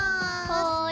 はい。